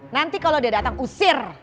nanti kalau dia datang usir